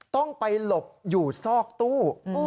ต้องไปหลบอยู่ซอกตู้